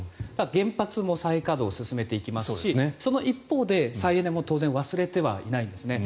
原発も再稼働を進めていきますしその一方で、再エネも当然忘れてはいないんですね。